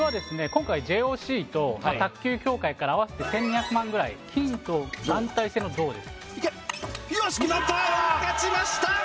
今回ＪＯＣと卓球協会から合わせて１２００万ぐらい金と団体戦の銅です